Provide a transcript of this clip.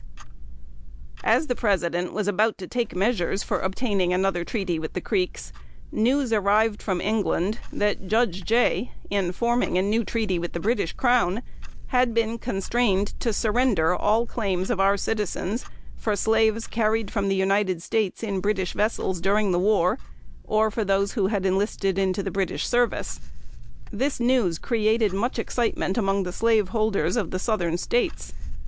[Sidenote: 1795] As the President was about to take measures for obtaining another treaty with the Creeks, news arrived from England that Judge Jay, in forming a new treaty with the British Crown, had been constrained to surrender all claims of our citizens for slaves carried from the United States in British vessels during the war, or for those who had enlisted into the British service. This news created much excitement among the slaveholders of the Southern States.